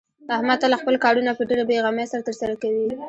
احمد تل خپل کارونه په ډېرې بې غمۍ سره ترسره کوي.